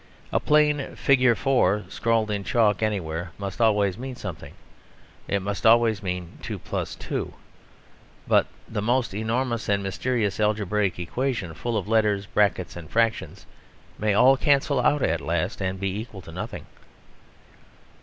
A plain figure 4, scrawled in chalk anywhere, must always mean something; it must always mean 2 + 2. But the most enormous and mysterious algebraic equation, full of letters, brackets, and fractions, may all cancel out at last and be equal to nothing.